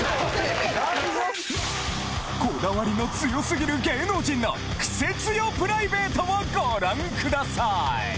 こだわりの強すぎる芸能人のクセ強プライベートをご覧ください！